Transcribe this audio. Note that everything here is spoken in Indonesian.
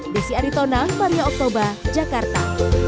desi aritona maria oktober jakarta